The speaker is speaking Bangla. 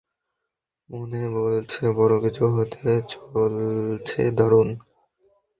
মন বলছে, বড় কিছু হতে চলছে, দারুন!